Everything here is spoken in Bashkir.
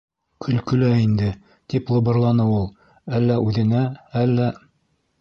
—Көлкө лә инде! —тип лыбырланы ул, әллә үҙенә, әллә